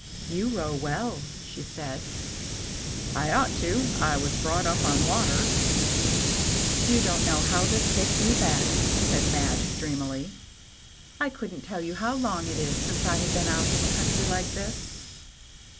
" You row well," she said. " I ought to. I was brought up on water." " You don't know how this takes me back," said Madge, dreamily. " I couldn't tell you how long it is since I have been out in the country like this."